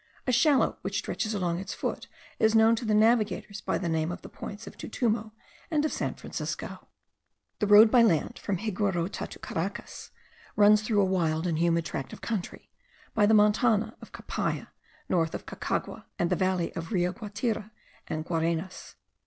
A shallow which stretches along its foot is known to navigators by the name of the points of Tutumo and of San Francisco. The road by land from Higuerote to Caracas, runs through a wild and humid tract of country, by the Montana of Capaya, north of Caucagua, and the valley of Rio Guatira and Guarenas.